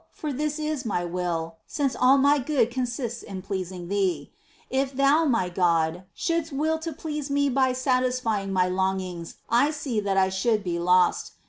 21. I08 MINOR WORKS OF ST. TERESA. for this is my will, since all my good consists in pleasing Thee. If Thou, my God, shouldst will to please me by satisfying my longings I see that I should be lost.